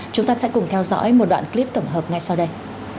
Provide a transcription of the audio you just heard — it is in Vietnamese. chúng ta sẽ cùng theo dõi một đoạn clip tổng hợp ngay sau đây